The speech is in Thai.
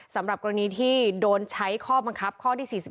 สำหรับกรณีที่โดนใช้ข้อบังคับข้อที่๔๑